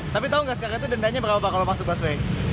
tapi tahu nggak sekarang itu dendanya berapa pak kalau masuk busway